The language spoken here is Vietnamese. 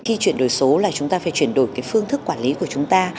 khi chuyển đổi số là chúng ta phải chuyển đổi phương thức quản lý của chúng ta